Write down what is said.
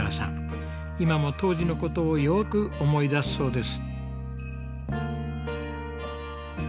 今も当時のことをよく思い出すそうです。